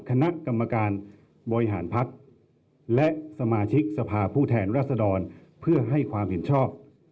คณะกรรมการบริหารพักและสมาชิกสภาผู้แทนรัศดรเพื่อให้ความเห็นชอบ